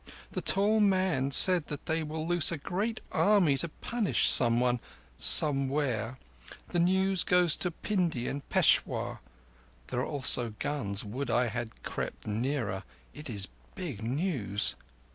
The tall man said that they will loose a great army to punish someone—somewhere—the news goes to Pindi and Peshawur. There are also guns. Would I had crept nearer. It is big news!"